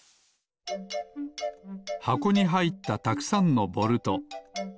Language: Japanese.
はこにはいったたくさんのボルト。